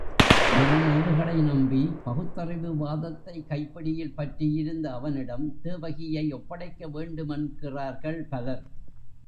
வெறும் ஏடுகளை நம்பி பகுத்தறிவு வாதத்தை கைப்பிடியில் பற்றியிருந்த அவனிடம் தேவகியை ஒப்படைக்க வேண்டுமென்கிறார்கள் பலர்.